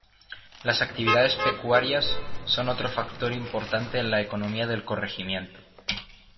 Las actividades pecuarias son otro factor importante en la economía del corregimiento.